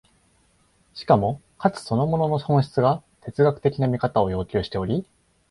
しかも価値そのものの本質が哲学的な見方を要求しており、